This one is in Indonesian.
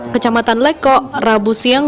kecamatan leko rabu siang